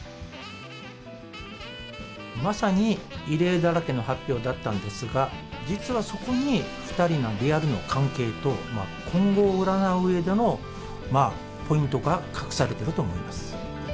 まさに異例だらけの発表だったんですが、実はそこに、２人のリアルな関係と、今後を占ううえでのポイントが隠されてると思います。